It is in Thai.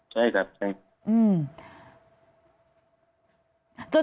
ใช่ครับใช่